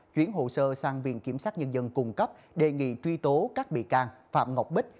chuyển hồ sơ sang viện kiểm sát nhân dân cung cấp đề nghị truy tố các bị can phạm ngọc bích